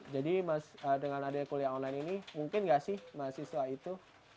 dengan adanya kuliah online ini mungkin gak sih mahasiswa itu